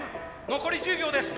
残り１０秒です！